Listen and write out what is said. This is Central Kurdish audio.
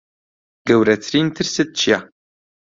گەورەترین ترست چییە؟